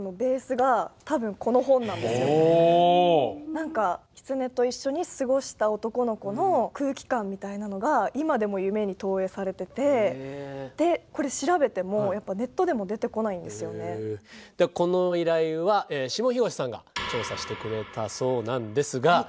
何かキツネと一緒に過ごした男の子の空気感みたいなのがいまでも夢に投影されててでこれ調べてもこの依頼は下吹越さんが調査してくれたそうなんですがお！